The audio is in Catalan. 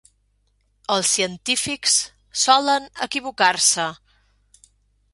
Els científics solen equivocar-se.